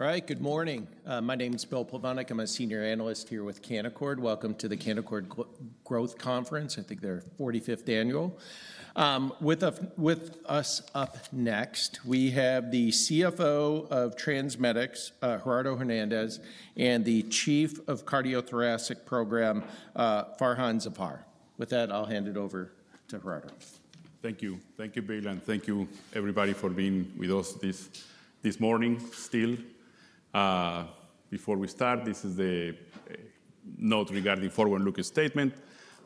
Alright, good morning. My name is Bill Plovanic. I'm a Senior Analyst here with Canaccord. Welcome to the Canaccord Growth Conference. I think their 45th annual. With us up next, we have the CFO of TransMedics, Gerardo Hernandez, and the Chief of Cardiothoracic Program, Farhan Zafar. With that, I'll hand it over to Gerardo. Thank you. Thank you, Bill, and thank you, everybody, for being with us this morning still. Before we start, this is the note regarding the forward-looking statement.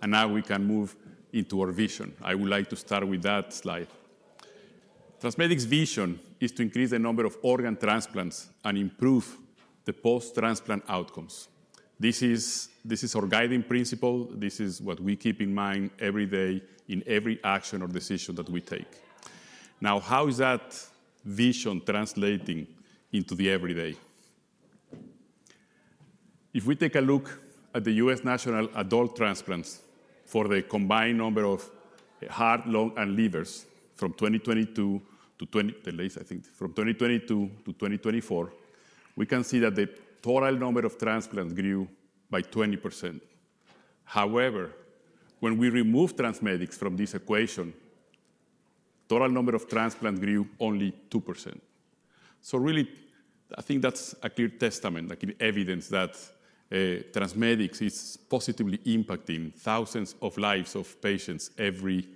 Now we can move into our vision. I would like to start with that slide. TransMedics' vision is to increase the number of organ transplants and improve the post-transplant outcomes. This is our guiding principle. This is what we keep in mind every day in every action or decision that we take. Now, how is that vision translating into the everyday? If we take a look at the U.S. national adult transplants for the combined number of heart, lung, and livers from 2022 to the latest, I think, from 2022 to 2024, we can see that the total number of transplants grew by 20%. However, when we remove TransMedics from this equation, the total number of transplants grew only 2%. That is a clear testament, a clear evidence that TransMedics is positively impacting thousands of lives of patients every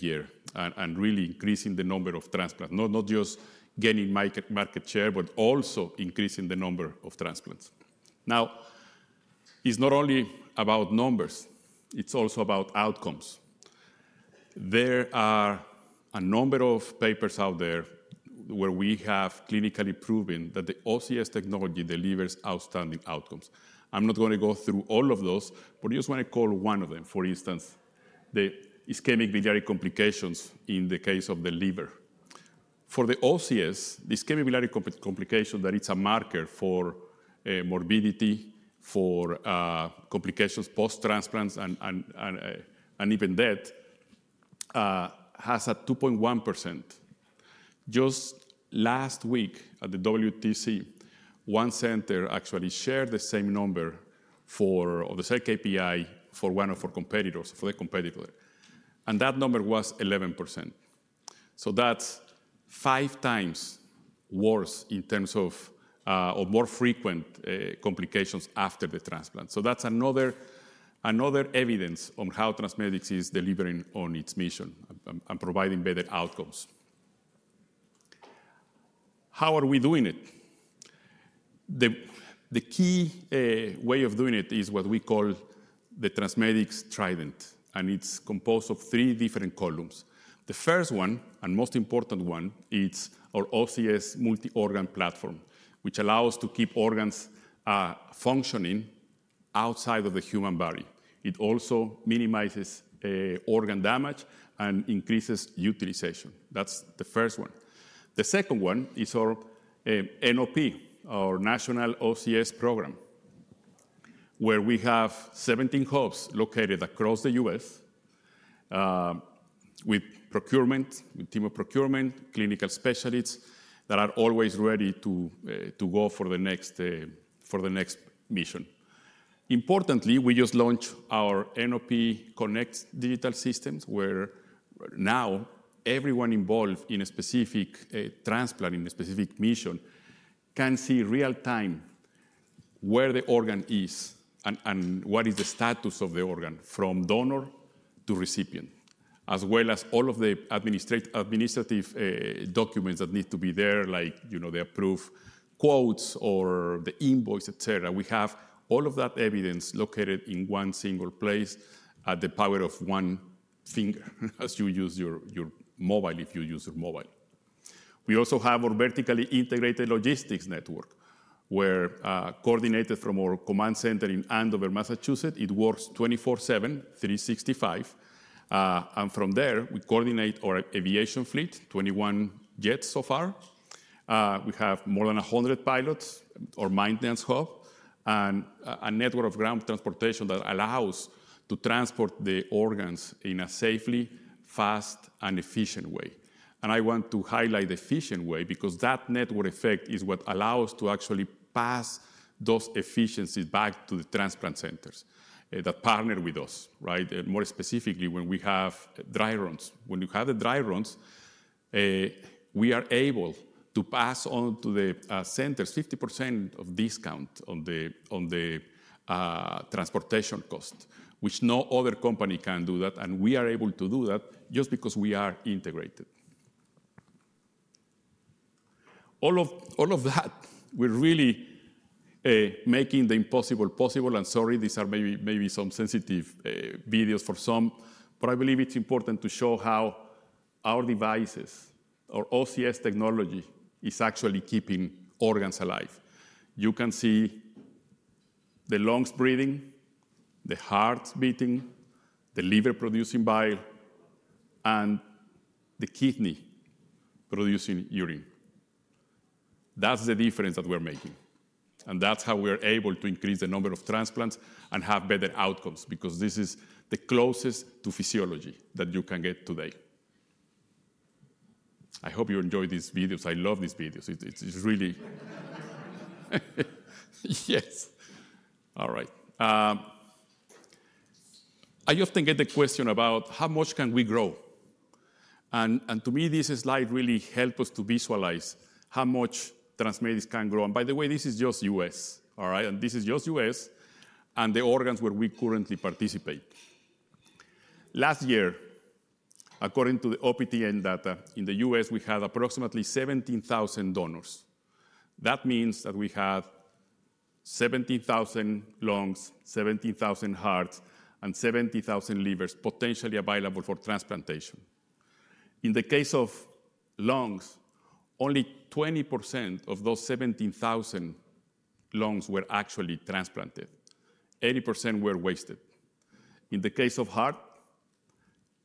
year and really increasing the number of transplants, not just gaining market share, but also increasing the number of transplants. Now, it's not only about numbers. It's also about outcomes. There are a number of papers out there where we have clinically proven that the OCS technology delivers outstanding outcomes. I'm not going to go through all of those, but I just want to call one of them. For instance, the ischemic biliary complications in the case of the liver. For the OCS, the ischemic biliary complication, that is a marker for morbidity, for complications post-transplant, and even death, has a 2.1%. Just last week at the WTC, one center actually shared the same number of the same KPI for one of our competitors, for the competitor. That number was 11%. That is 5x worse in terms of more frequent complications after the transplant. That is another evidence on how TransMedics is delivering on its mission and providing better outcomes. How are we doing it? The key way of doing it is what we call the TransMedics Trident, and it's composed of three different columns. The first one, and the most important one, is our OCS multi-organ platform, which allows us to keep organs functioning outside of the human body. It also minimizes organ damage and increases utilization. That's the first one. The second one is our NOP, our National OCS Program, where we have 17 hubs located across the U.S. with procurement, with team of procurement, clinical specialists that are always ready to go for the next mission. Importantly, we just launched our NOP Connect Digital Systems, where now everyone involved in a specific transplant, in a specific mission, can see real-time where the organ is and what is the status of the organ from donor to recipient, as well as all of the administrative documents that need to be there, like the approved quotes or the invoice, etc. We have all of that evidence located in one single place at the power of one finger, as you use your mobile, if you use your mobile. We also have our vertically integrated logistics network, where coordinated from our command center in Andover, Massachusetts, it works 24/7, 365. From there, we coordinate our aviation fleet, 21 jets so far. We have more than 100 pilots, our maintenance hub, and a network of ground transportation that allows us to transport the organs in a safely, fast, and efficient way. I want to highlight the efficient way because that network effect is what allows us to actually pass those efficiencies back to the transplant centers that partner with us, right? More specifically, when we have dry runs. When you have the dry runs, we are able to pass on to the centers 50% of discount on the transportation cost, which no other company can do that. We are able to do that just because we are integrated. All of that, we're really making the impossible possible. Sorry, these are maybe some sensitive videos for some, but I believe it's important to show how our devices, our OCS technology, is actually keeping organs alive. You can see the lungs breathing, the heart beating, the liver producing bile, and the kidney producing urine. That's the difference that we're making. That's how we're able to increase the number of transplants and have better outcomes because this is the closest to physiology that you can get today. I hope you enjoy these videos. I love these videos. It's really... Yes. All right. I often get the question about how much can we grow? To me, this slide really helps us to visualize how much TransMedics can grow. By the way, this is just U.S., all right? This is just U.S. and the organs where we currently participate. Last year, according to the OPTN data in the U.S., we had approximately 17,000 donors. That means that we had 17,000 lungs, 17,000 hearts, and 70,000 livers potentially available for transplantation. In the case of lungs, only 20% of those 17,000 lungs were actually transplanted. 80% were wasted. In the case of heart,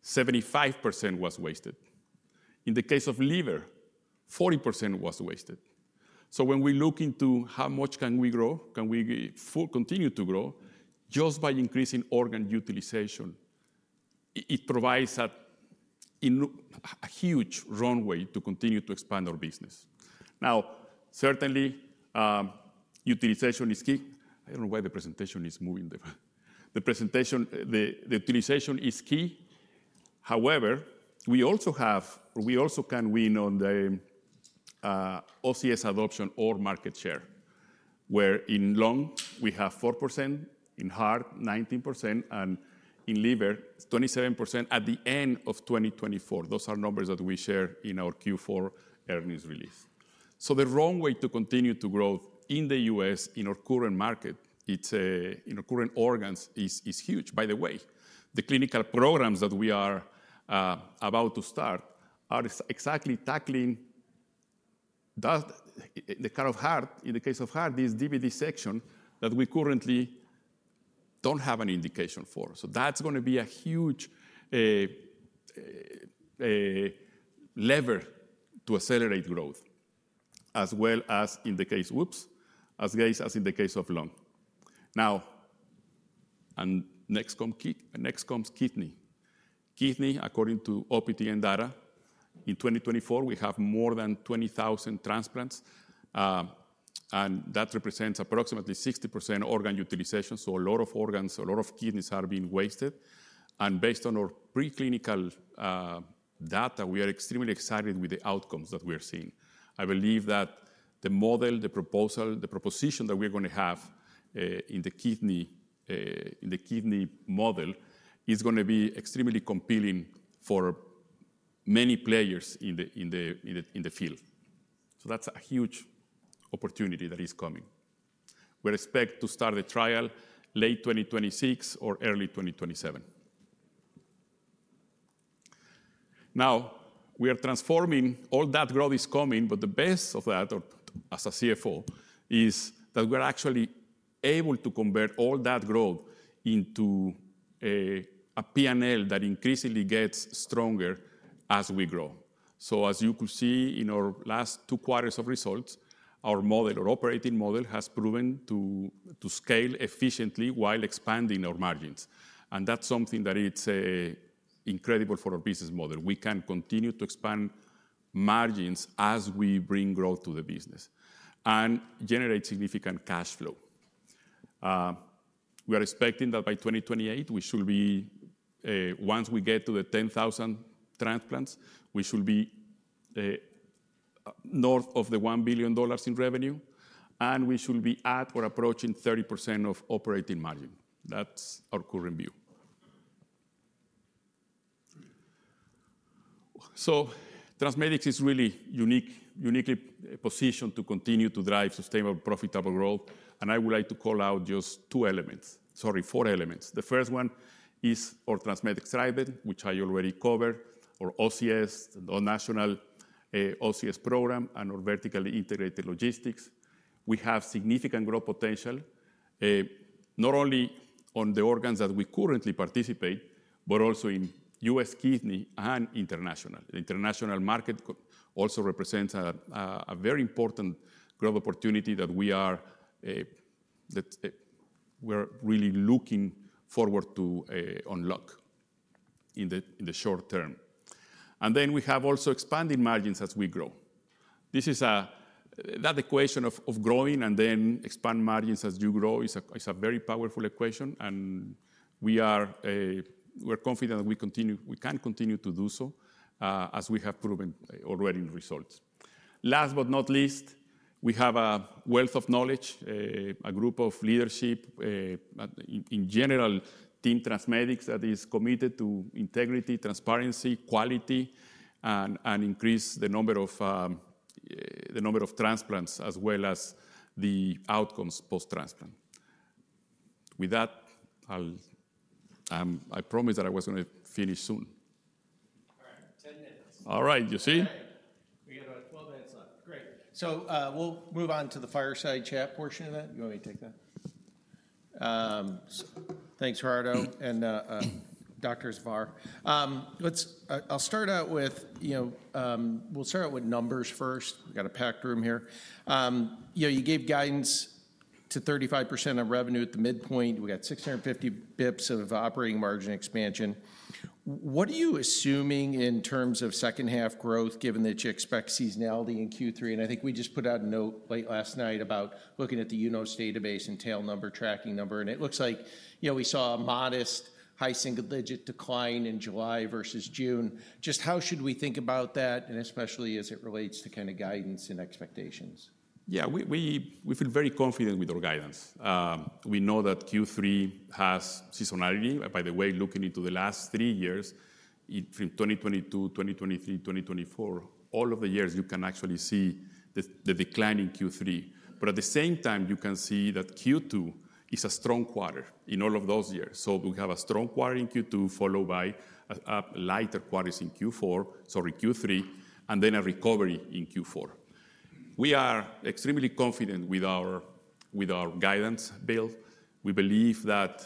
75% was wasted. In the case of liver, 40% was wasted. When we look into how much can we grow, can we continue to grow just by increasing organ utilization, it provides a huge runway to continue to expand our business. Utilization is key. I don't know why the presentation is moving there. Utilization is key. However, we also can win on the OCS adoption or market share, where in lung, we have 4%, in heart, 19%, and in liver, 27% at the end of 2024. Those are numbers that we share in our Q4 earnings release. The runway to continue to grow in the U.S. in our current market, in our current organs, is huge. By the way, the clinical programs that we are about to start are exactly tackling the kind of heart. In the case of heart, this DBD section that we currently don't have an indication for. That's going to be a huge lever to accelerate growth, as well as in the case, whoops, as in the case of lung. Next comes kidney. Kidney, according to OPTN data, in 2024, we have more than 20,000 transplants, and that represents approximately 60% organ utilization. A lot of organs, a lot of kidneys are being wasted. Based on our preclinical data, we are extremely excited with the outcomes that we are seeing. I believe that the model, the proposal, the proposition that we're going to have in the kidney model is going to be extremely compelling for many players in the field. That's a huge opportunity that is coming. We expect to start the trial late 2026 or early 2027. We are transforming all that growth that is coming, but the best of that, as a CFO, is that we're actually able to convert all that growth into a P&L that increasingly gets stronger as we grow. As you could see in our last two quarters of results, our model, our operating model, has proven to scale efficiently while expanding our margins. That's something that is incredible for our business model. We can continue to expand margins as we bring growth to the business and generate significant cash flow. We are expecting that by 2028, we should be, once we get to the 10,000 transplants, we should be north of the $1 billion in revenue, and we should be at or approaching 30% of operating margin. That's our current view. TransMedics is really uniquely positioned to continue to drive sustainable, profitable growth. I would like to call out just two elements. Sorry, four elements. The first one is our TransMedics Trident, which I already covered, our OCS, the National OCS Program, and our vertically integrated logistics. We have significant growth potential, not only on the organs that we currently participate, but also in U.S. kidney and international. The international market also represents a very important growth opportunity that we are really looking forward to unlocking in the short term. We have also expanding margins as we grow. This is that equation of growing and then expanding margins as you grow, which is a very powerful equation. We are confident that we can continue to do so, as we have proven already in results. Last but not least, we have a wealth of knowledge, a group of leadership, in general, Team TransMedics that is committed to integrity, transparency, quality, and increase the number of transplants as well as the outcomes post-transplant. With that, I promised that I was going to finish soon. All right, you see? We can drive 12 minutes left. Great. We'll move on to the fireside chat portion of that. You want me to take that? Thanks, Gerardo, and Dr. Zafar. I'll start out with, you know, we'll start out with numbers first. We've got a packed room here. You gave guidance to 35% of revenue at the midpoint. We got 650 bps of operating margin expansion. What are you assuming in terms of second-half growth, given that you expect seasonality in Q3? I think we just put out a note late last night about looking at the UNOS database and tail number, tracking number. It looks like, you know, we saw a modest high single-digit decline in July versus June. Just how should we think about that, and especially as it relates to kind of guidance and expectations? Yeah, we feel very confident with our guidance. We know that Q3 has seasonality. By the way, looking into the last three years, from 2022, 2023, 2024, all of the years, you can actually see the decline in Q3. At the same time, you can see that Q2 is a strong quarter in all of those years. We have a strong quarter in Q2, followed by lighter quarters in Q3, and then a recovery in Q4. We are extremely confident with our guidance, Bill. We believe that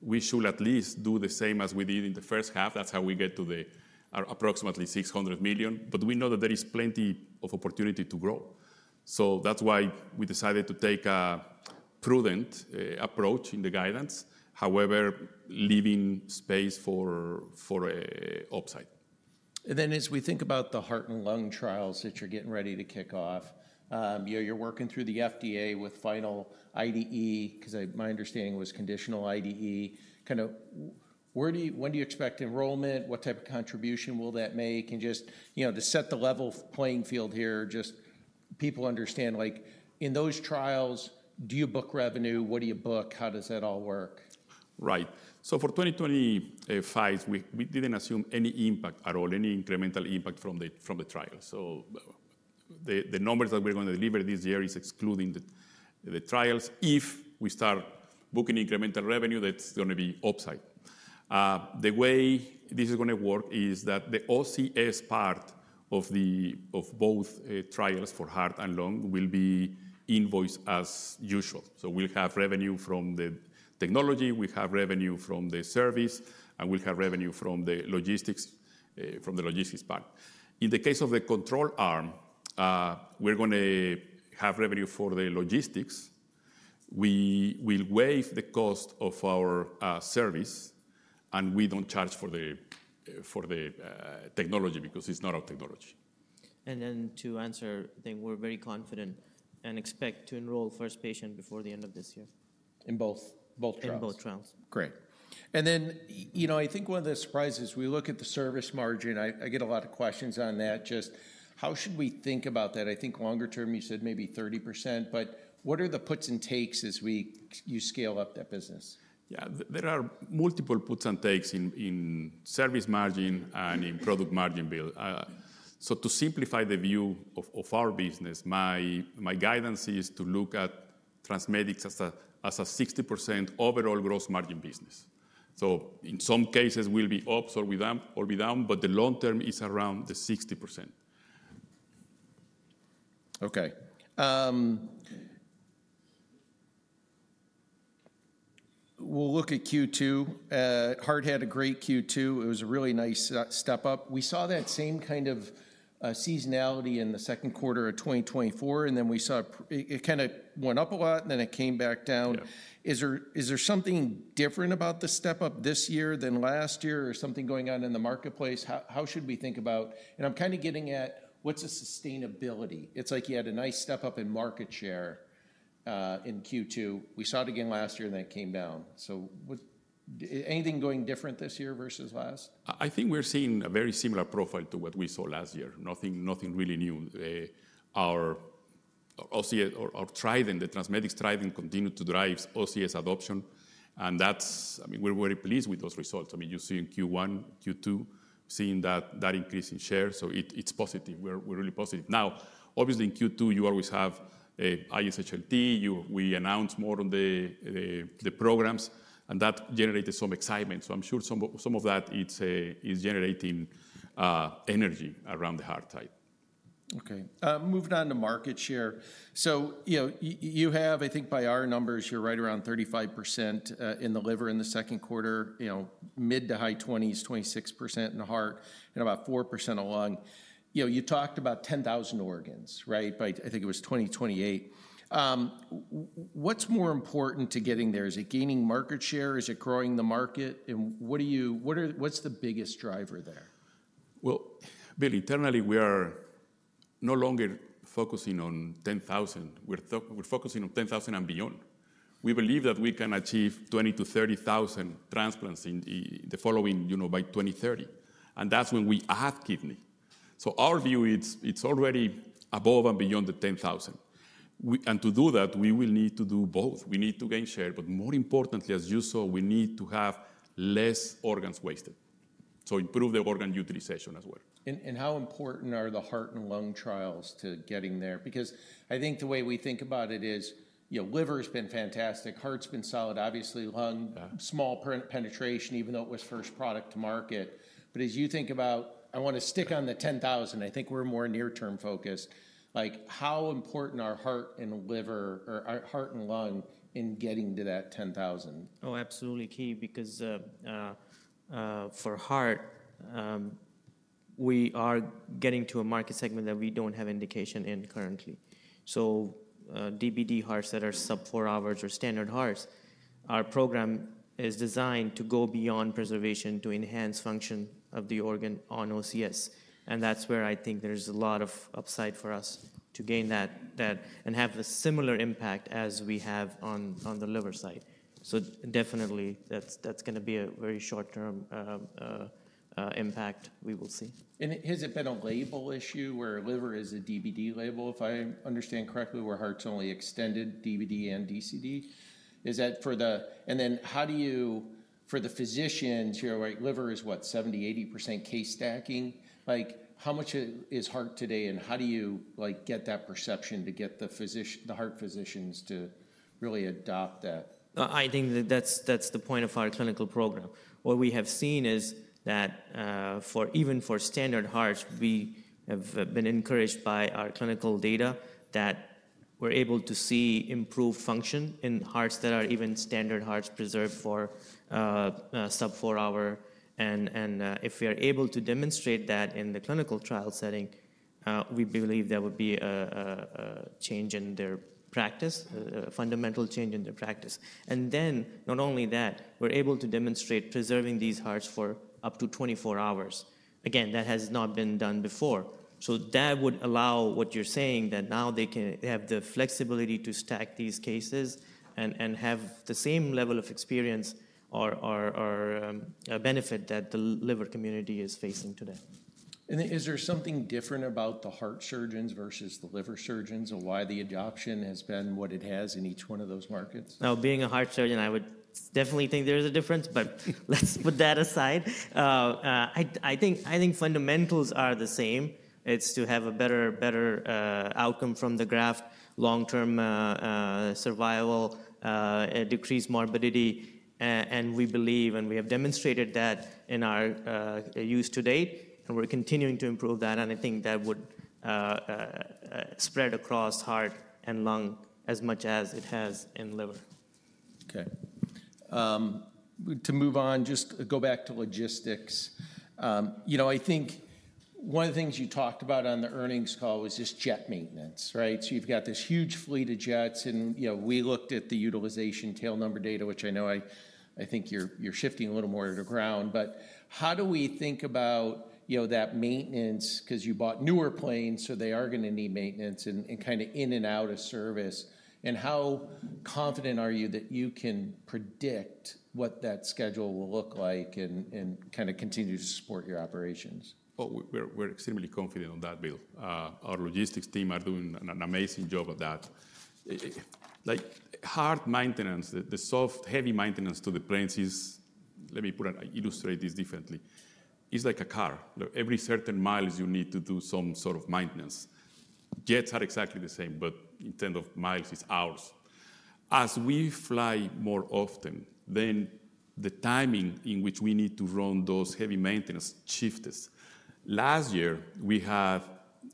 we should at least do the same as we did in the first half. That's how we get to approximately $600 million. We know that there is plenty of opportunity to grow. That's why we decided to take a prudent approach in the guidance, however, leaving space for an upside. As we think about the heart and lung trials that you're getting ready to kick off, you're working through the FDA with final IDE, because my understanding was conditional IDE. When do you expect enrollment? What type of contribution will that make? To set the level playing field here, just so people understand, in those trials, do you book revenue? What do you book? How does that all work? Right. For 2025, we didn't assume any impact at all, any incremental impact from the trials. The numbers that we're going to deliver this year are excluding the trials. If we start booking incremental revenue, that's going to be upside. The way this is going to work is that the OCS part of both trials for heart and lung will be invoiced as usual. We'll have revenue from the technology, we'll have revenue from the service, and we'll have revenue from the logistics part. In the case of the control arm, we're going to have revenue for the logistics. We will waive the cost of our service, and we don't charge for the technology because it's not our technology. We are very confident and expect to enroll first patient before the end of this year. In both trials? In both trials. Great. I think one of the surprises, we look at the service margin. I get a lot of questions on that. Just how should we think about that? I think longer term, you said maybe 30%, but what are the puts and takes as you scale up that business? Yeah, there are multiple puts and takes in service margin and in product margin, Bill. To simplify the view of our business, my guidance is to look at TransMedics as a 60% overall gross margin business. In some cases, we'll be ups or we'll be down, but the long term is around the 60%. Okay. We'll look at Q2. Heart had a great Q2. It was a really nice step up. We saw that same kind of seasonality in the second quarter of 2024, and then we saw it kind of went up a lot, and then it came back down. Is there something different about the step up this year than last year or something going on in the marketplace? How should we think about, and I'm kind of getting at what's the sustainability? It's like you had a nice step up in market share in Q2. We saw it again last year, and then it came down. Anything going different this year versus last? I think we're seeing a very similar profile to what we saw last year. Nothing really new. Our Trident, the TransMedics Trident, continues to drive OCS adoption. We're very pleased with those results. You see in Q1, Q2 seeing that increase in share. It's positive. We're really positive. Obviously, in Q2, you always have ISHLT. We announced more on the programs, and that generated some excitement. I'm sure some of that is generating energy around the heart side. Okay. Moving on to market share. You have, I think, by our numbers, you're right around 35% in the liver in the second quarter, mid to high 20s, 26% in the heart, and about 4% in the lung. You talked about 10,000 organs, right? I think it was 2028. What's more important to getting there? Is it gaining market share? Is it growing the market? What's the biggest driver there? Bill, internally, we are no longer focusing on 10,000. We're focusing on 10,000 and beyond. We believe that we can achieve 20,000-30,000 transplants in the following, you know, by 2030. That's when we add kidney. Our view is it's already above and beyond the 10,000. To do that, we will need to do both. We need to gain share, but more importantly, as you saw, we need to have less organs wasted. Improve the organ utilization as well. How important are the heart and lung trials to getting there? I think the way we think about it is, you know, liver's been fantastic, heart's been solid, obviously, lung small penetration, even though it was first product to market. As you think about it, I want to stick on the 10,000. I think we're more near-term focused. How important are heart and liver or heart and lung in getting to that 10,000? Oh, absolutely key, because for heart, we are getting to a market segment that we don't have indication in currently. DBD hearts that are sub-4 hours or standard hearts, our program is designed to go beyond preservation to enhance function of the organ on OCS. That's where I think there's a lot of upside for us to gain that and have a similar impact as we have on the liver side. Definitely, that's going to be a very short-term impact we will see. Has it been a label issue where liver is a DBD label, if I understand correctly, where heart's only extended DBD and DCD? Is that for the, how do you, for the physicians, you're right, liver is what, 70%-80% case stacking? How much is heart today and how do you get that perception to get the heart physicians to really adopt that? I think that that's the point of our clinical program. What we have seen is that even for standard hearts, we have been encouraged by our clinical data that we're able to see improved function in hearts that are even standard hearts preserved for sub-4 hour. If we are able to demonstrate that in the clinical trial setting, we believe that would be a change in their practice, a fundamental change in their practice. Not only that, we're able to demonstrate preserving these hearts for up to 24 hours. Again, that has not been done before. That would allow what you're saying, that now they can have the flexibility to stack these cases and have the same level of experience or benefit that the liver community is facing today. Is there something different about the heart surgeons versus the liver surgeons, or why the adoption has been what it has in each one of those markets? Now, being a heart surgeon, I would definitely think there's a difference, but let's put that aside. I think fundamentals are the same. It's to have a better outcome from the graft, long-term survival, decreased morbidity. We believe, and we have demonstrated that in our use to date, we're continuing to improve that. I think that would spread across heart and lung as much as it has in liver. Okay. To move on, just go back to logistics. I think one of the things you talked about on the earnings call was this jet maintenance, right? You've got this huge fleet of jets, and we looked at the utilization tail number data, which I know you're shifting a little more to ground. How do we think about that maintenance? You bought newer planes, so they are going to need maintenance and kind of in and out of service. How confident are you that you can predict what that schedule will look like and continue to support your operations? Oh, we're extremely confident on that, Bill. Our logistics team is doing an amazing job of that. Like hard maintenance, the soft, heavy maintenance to the planes is, let me illustrate this differently. It's like a car. Every certain mile, you need to do some sort of maintenance. Jets are exactly the same, but in terms of miles, it's hours. As we fly more often, then the timing in which we need to run those heavy maintenance shifts changes. Last year, we had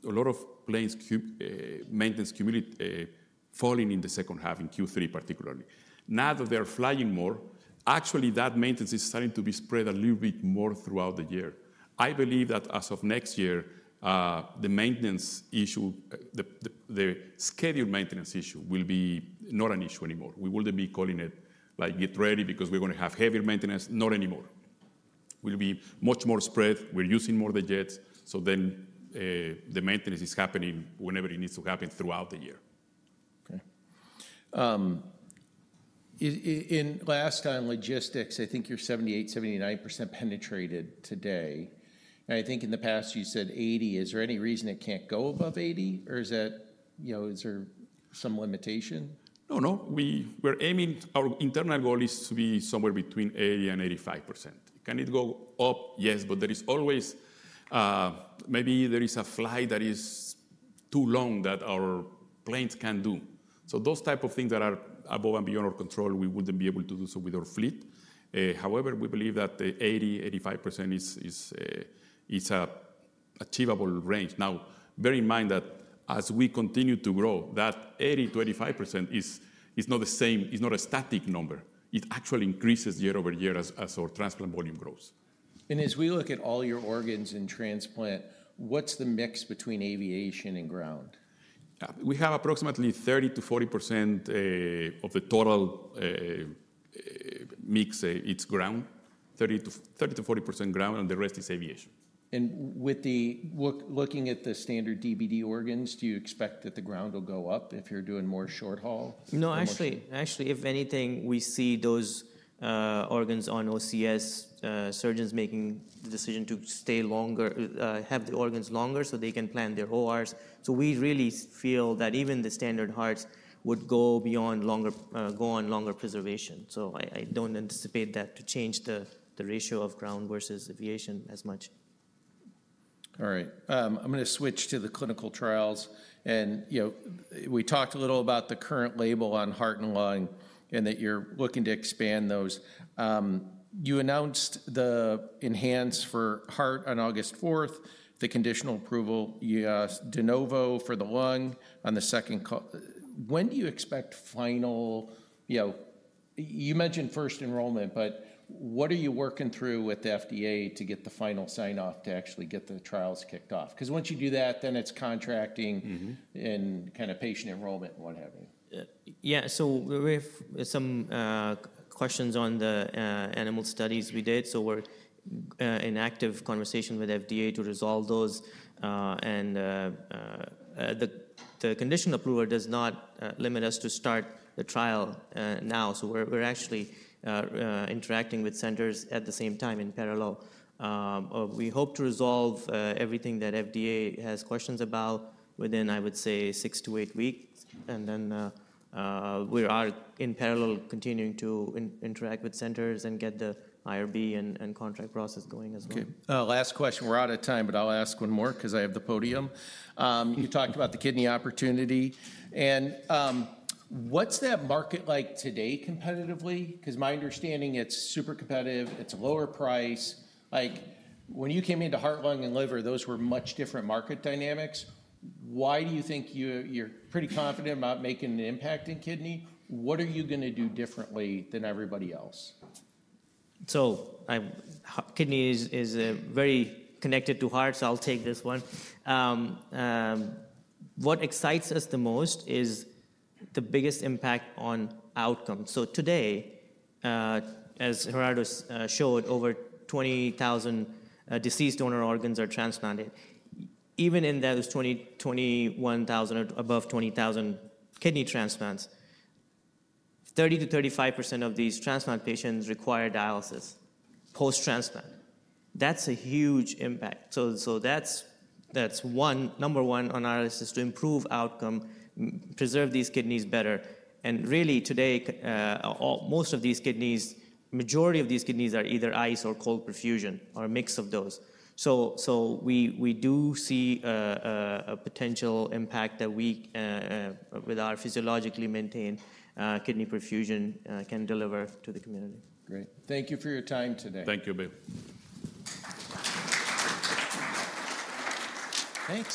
a lot of planes' maintenance falling in the second half, in Q3 particularly. Now that they're flying more, actually, that maintenance is starting to be spread a little bit more throughout the year. I believe that as of next year, the maintenance issue, the scheduled maintenance issue will be not an issue anymore. We wouldn't be calling it like get ready because we're going to have heavier maintenance, not anymore. It'll be much more spread. We're using more of the jets, so the maintenance is happening whenever it needs to happen throughout the year. Okay. In last time logistics, I think you're 78%, 79% penetrated today. I think in the past, you said 80%. Is there any reason it can't go above 80%? Is there some limitation? We're aiming, our internal goal is to be somewhere between 80% and 85%. Can it go up? Yes, but there is always, maybe there is a flight that is too long that our planes can do. Those types of things that are above and beyond our control, we wouldn't be able to do so with our fleet. However, we believe that the 80%-85% is an achievable range. Now, bear in mind that as we continue to grow, that 80% to 85% is not the same, it's not a static number. It actually increases year-over-year as our transplant volume grows. As we look at all your organs in transplant, what's the mix between aviation and ground? We have approximately 30%-40% of the total mix, it's ground. 30%-40% ground, and the rest is aviation. With the looking at the standard DBD organs, do you expect that the ground will go up if you're doing more short haul? No, if anything, we see those organs on OCS surgeons making the decision to stay longer, have the organs longer so they can plan their ORs. We really feel that even the standard hearts would go on longer preservation. I don't anticipate that to change the ratio of ground versus aviation as much. All right. I'm going to switch to the clinical trials. You know, we talked a little about the current label on heart and lung and that you're looking to expand those. You announced the ENHANCE for heart on August 4, the conditional approval, you asked de novo for the lung on the second call. When do you expect final, you know, you mentioned first enrollment, but what are you working through with the FDA to get the final sign-off to actually get the trials kicked off? Because once you do that, then it's contracting and kind of patient enrollment and what have you. We have some questions on the animal studies we did. We're in active conversation with the FDA to resolve those. The conditional approval does not limit us to start the trial now. We're actually interacting with centers at the same time in parallel. We hope to resolve everything that the FDA has questions about within, I would say, six to eight weeks. We are in parallel continuing to interact with centers and get the IRB and contract process going as well. Okay. Last question. We're out of time, but I'll ask one more because I have the podium. You talked about the kidney opportunity. What's that market like today competitively? My understanding, it's super competitive. It's a lower price. When you came into heart, lung, and liver, those were much different market dynamics. Why do you think you're pretty confident about making an impact in kidney? What are you going to do differently than everybody else? Kidney is very connected to heart, so I'll take this one. What excites us the most is the biggest impact on outcomes. Today, as Gerardo showed, over 20,000 deceased donor organs are transplanted. Even in those 21,000 or above 20,000 kidney transplants, 30%-35% of these transplant patients require dialysis post-transplant. That's a huge impact. That's one, number one analysis to improve outcome, preserve these kidneys better. Really, today, most of these kidneys, the majority of these kidneys are either ice or cold perfusion or a mix of those. We do see a potential impact that we, with our physiologically maintained kidney perfusion, can deliver to the community. Great. Thank you for your time today. Thank you, Bill. Thanks.